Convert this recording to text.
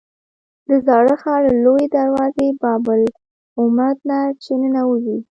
د زاړه ښار له لویې دروازې باب العمود نه چې ننوځې.